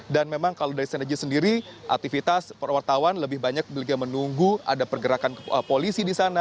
dan memang kalau dari seneji sendiri aktivitas perwartawan lebih banyak lebih menunggu ada pergerakan polisi di sana